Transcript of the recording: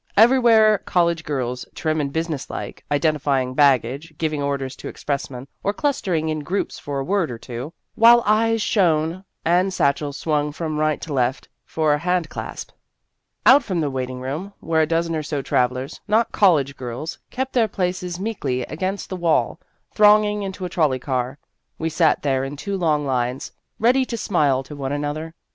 Everywhere college girls, trim and business like, identifying baggage, giving orders to expressmen, or clustering in groups for a word or two, while eyes shone, and satchels swung from right to left for a hand clasp. A Superior Young Woman 17? Out from the waiting room, where a dozen or so travellers not college girls kept their places meekly against the wall, thronging into a trolley car, we sat there in two long lines, ready to smile one to another.